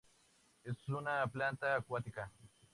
Es una planta acuática.